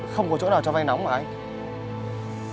không có chỗ nào cho vay nóng mà anh